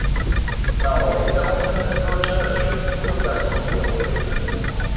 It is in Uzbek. Navoiyda oltin izlovchilar uchun hududlar sotuvga qo‘yildi